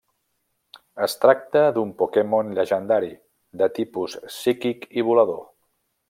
Es tracta d'un Pokémon llegendari, de tipus psíquic i volador.